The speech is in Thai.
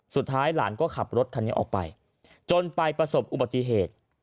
สุดท้ายหลานก็ขับรถคันนี้ออกไปจนไปประสบอุบัติเหตุ